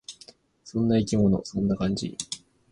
そんな生き物。そんな感じ。